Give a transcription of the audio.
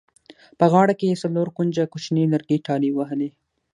په غاړه کې یې څلور کونجه کوچیني لرګي ټالۍ وهلې.